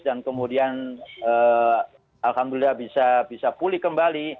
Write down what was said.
dan kemudian alhamdulillah bisa pulih kembali